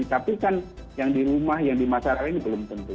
tapi kan yang di rumah yang di masyarakat ini belum tentu